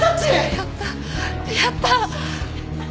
やったやった！